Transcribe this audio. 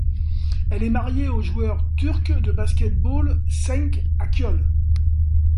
Elle est mariée au joueur turc de basket-ball Cenk Akyol.